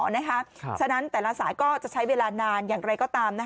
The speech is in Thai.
เพราะฉะนั้นแต่ละสายก็จะใช้เวลานานอย่างไรก็ตาม